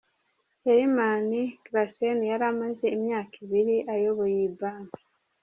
Herman Klaassen yari amaze imyaka ibiri ayobora iyi banki.